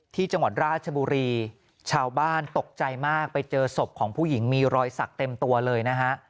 ที่จังหวัดราชบุรีชาวบ้านตกใจมากไปเจอศพของผู้หญิงมีรอยสักเต็มตัวเลยนะฮะ